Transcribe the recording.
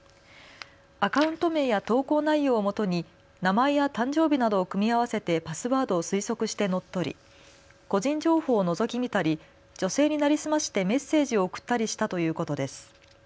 アカウント名や投稿内容をもとに名前や誕生日などを組み合わせてパスワードを推測して乗っ取り個人情報をのぞき見たり女性に成り済ましてメッセージを送ったりしたということです。